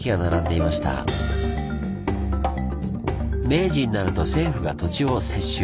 明治になると政府が土地を接収。